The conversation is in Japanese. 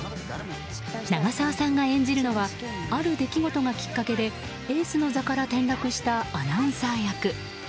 長澤さんが演じるのはある出来事がきっかけでエースの座から転落したアナウンサー役。